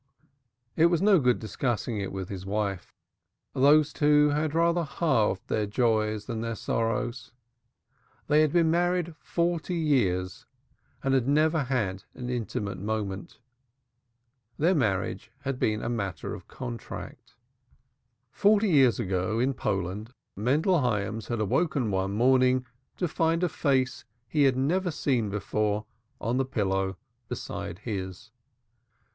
It was of no good discussing it with his wife. Those two had rather halved their joys than their sorrows. They had been married forty years and had never had an intimate moment. Their marriage had been a matter of contract. Forty years ago, in Poland, Mendel Hyams had awoke one morning to find a face he had never seen before on the pillow beside his.